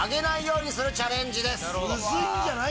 ムズいんじゃない？